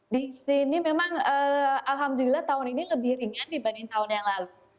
di sini memang alhamdulillah tahun ini lebih ringan dibanding tahun yang lalu